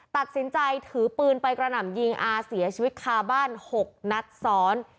ตัดสินใจถือปืนไปกระหน่ำยิงอาเสียชีวิตคาบ้าน๖นัดซ้อน